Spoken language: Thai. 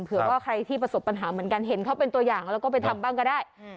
เผื่อว่าใครที่ประสบปัญหาเหมือนกันเห็นเขาเป็นตัวอย่างแล้วก็ไปทำบ้างก็ได้